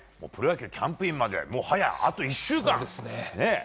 プロ野球キャンプインまでもう早あと１週間ですね。